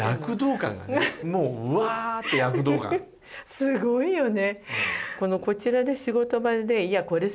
すごいよね。